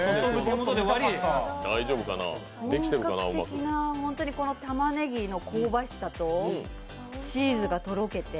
本格的なたまねぎの香ばしさとチーズがとろけて。